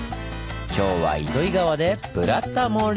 今日は糸魚川で「ブラタモリ」！